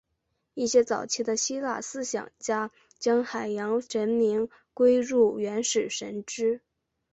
一些早期的希腊思想家将海洋神明归入原始神只。